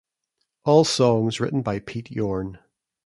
All songs written by Pete Yorn.